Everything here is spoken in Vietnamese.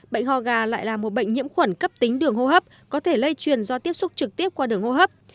bệnh ho gà lại là một bệnh nhiễm khuẩn cấp tính đường hô hấp có thể lây truyền do tiếp xúc trực tiếp qua đường hô hấp